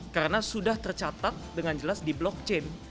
karena sudah tercatat dengan jelas di blockchain